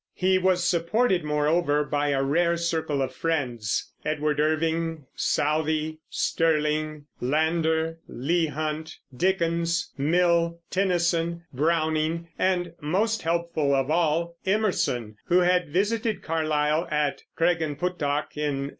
He was supported, moreover, by a rare circle of friends, Edward Irving, Southey, Sterling, Landor, Leigh Hunt, Dickens, Mill, Tennyson, Browning, and, most helpful of all, Emerson, who had visited Carlyle at Craigenputtoch in 1833.